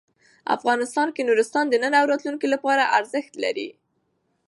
افغانستان کې نورستان د نن او راتلونکي لپاره ارزښت لري.